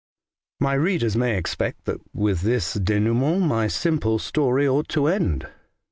My readers may expect that with this denou ment my simple story ought to end.